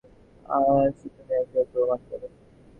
বললেন, মা লাবণ্য, এই ফুল দিয়ে আজ তুমি ওকে প্রণাম করো।